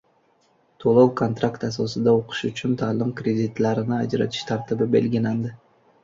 To‘lov-kontrakt asosida o‘qish uchun ta’lim kreditlarini ajratish tartibi belgilandi